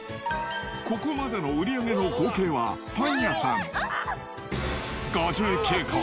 ここまでの売り上げの合計は、パン屋さん５９個。